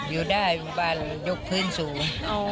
อยู่ได้หมู่บ้านยกพื้นสูง